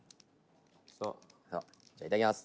さあ、じゃあ、いただきます。